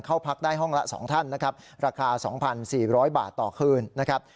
เข้าพักได้ห้องละ๒ท่านนะครับราคา๒๔๐๐บาทต่อคืนนะครับ